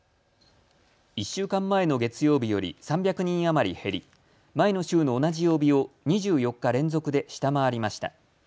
１週間前の月曜日より３００人余り減り、前の週の同じ曜日を２４日連続で下回りました。